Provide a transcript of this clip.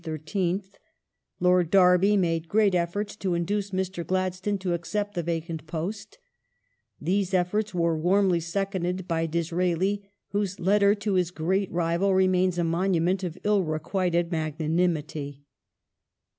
291, 302 DOMESTIC ADMINISTRATION [1856 resigned (May 13th). Lord Derby made great efforts to induce Mr. Gladstone to accept the vacant post. These efforts were warmly seconded by Disraeli whose letter to his great rival remains a monument of ill requited magnanimity.